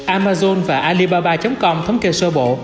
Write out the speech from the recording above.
amazon và alibaba com thống kê sơ bộ